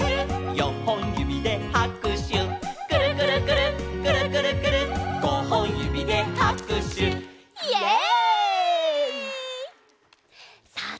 「よんほんゆびではくしゅ」「くるくるくるっくるくるくるっごほんゆびではくしゅ」イエイ！